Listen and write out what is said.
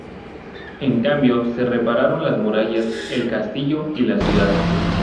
En cambio, se repararon las murallas, el castillo y la ciudad.